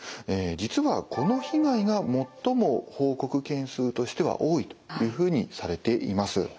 実はこの被害が最も報告件数としては多いというふうにされています。